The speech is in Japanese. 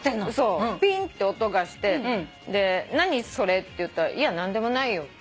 ピンッて音がして何それ？って言ったら「いや何でもないよ」って。